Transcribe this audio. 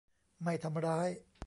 ไม่ทำร้าย